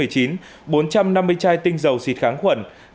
bốn trăm năm mươi chai tinh dầu xịt kháng khuẩn